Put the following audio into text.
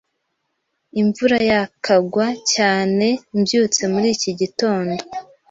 Imvura yagwaga cyane mbyutse muri iki gitondo.